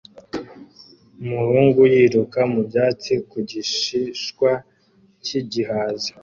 Umuhungu yiruka mu byatsi ku gishishwa cy'igihaza